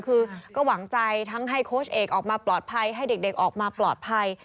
คือก็หวังใจทั้งให้โค้ชเอกออกมาปลอดภัยให้เด็กออกมาปลอดภัย